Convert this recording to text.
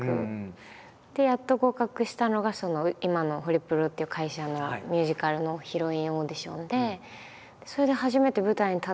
でやっと合格したのが今のホリプロっていう会社のミュージカルのヒロインオーディションで。